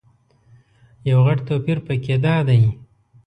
یو غټ توپیر په کې دادی.